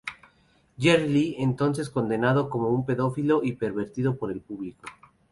Jerry Lee entonces es condenado como un pedófilo y un pervertido por el público.